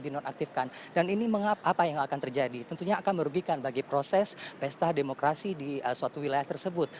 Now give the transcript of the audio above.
dinonaktifkan dan ini mengapa yang akan terjadi tentunya akan merugikan bagi proses pesta demokrasi di suatu wilayah tersebut